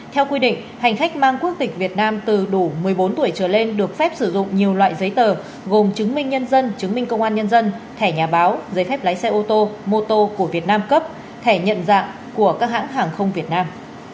theo quy định hành khách mang quốc tịch việt nam từ đủ một mươi bốn tuổi trở lên được phép sử dụng nhiều loại giấy tờ gồm chứng minh nhân dân chứng minh công an nhân dân thẻ nhà báo giấy phép lái xe ô tô mô tô của việt nam cấp thẻ nhận dạng của các hãng hàng không việt nam